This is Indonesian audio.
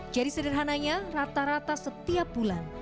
jadi sederhananya rata rata setiap bulan